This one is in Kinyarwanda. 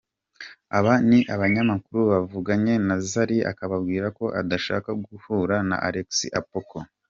Aba ni abanyamakuru bavuganye na Zari akababwira ko adashaka guhura na Alex Apoko.